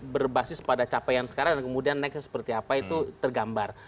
berbasis pada capaian sekarang dan kemudian nextnya seperti apa itu tergambar